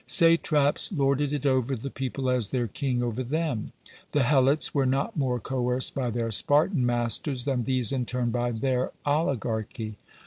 Satraps lorded it over the people as their king over them. The Helots were not more coerced by their Spartan masters than these in turn by their oligarchy.